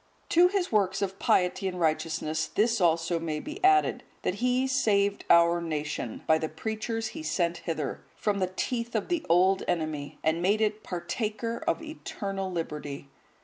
(156)) To his works of piety and righteousness this also may be added, that he saved our nation, by the preachers he sent hither, from the teeth of the old enemy, and made it partaker of eternal liberty.